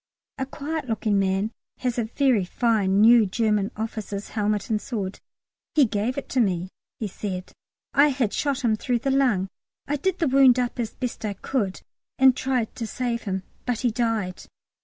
A quiet looking little man has a very fine new German officer's helmet and sword. "He gave it to me," he said. "I had shot him through the lung. I did the wound up as best I could and tried to save him, but he died.